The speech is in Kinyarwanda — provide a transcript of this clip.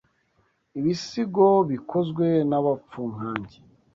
Ibisigo bikozwe n'abapfu nkanjye."